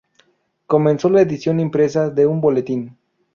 Comenzó la edición impresa de un boletín.